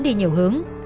đi nhiều hướng